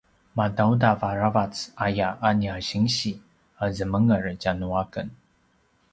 madaudav aravac aya a nia sinsi a zemenger tjanuaken